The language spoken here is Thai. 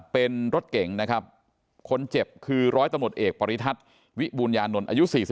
เป็นรถเก่งคนเจ็บคือรอยตำรวจเอกปริธัศวิบูรณ์ยานลอ๔๑